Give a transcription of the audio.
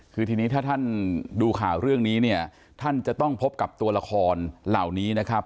คือทีนี้ถ้าท่านดูข่าวเรื่องนี้เนี่ยท่านจะต้องพบกับตัวละครเหล่านี้นะครับ